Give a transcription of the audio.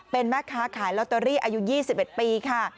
เป็นแม่ค้าขายลอตเตอรี่อายุ๒๑ปีค่ะ